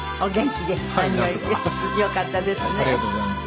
よかったですね。